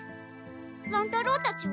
乱太郎たちは？